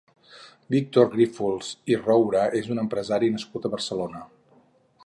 Víctor Grífols i Roura és un empresari nascut a Barcelona.